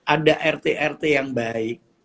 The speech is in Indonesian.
ada rt rt yang baik